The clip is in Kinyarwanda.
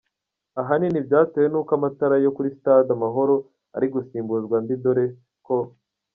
ahanini byatewe nuko amatara yo kuri Stade Amahoro ari gusimbuzwa andi dore ko.